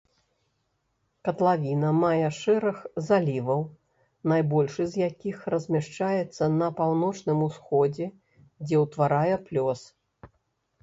Катлавіна мае шэраг заліваў, найбольшы з якіх размяшчаецца на паўночным усходзе, дзе ўтварае плёс.